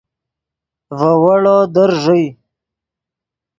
ڤے ویڑو در ݱئے